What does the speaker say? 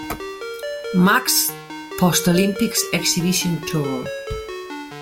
Maxx post-Olympics exhibition tour.